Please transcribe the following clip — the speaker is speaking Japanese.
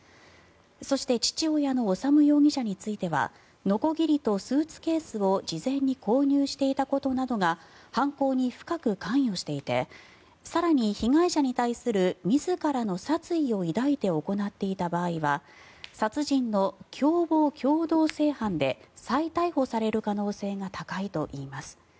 そして父親の修容疑者についてはのこぎりとスーツケースを事前に購入していたことなどが犯行に深く関与していて更に被害者に対する自らの殺意を抱いて行っていた場合は殺人の共謀共同正犯で再逮捕される可能性が高いといいます。